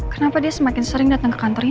kenapa dia semakin sering dateng ke kantor ini ya